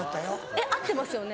えっ合ってますよね？